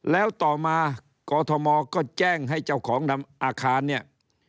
แล้วต่อมากอทมก็แจ้งให้เจ้าของนำอาคารเนี่ย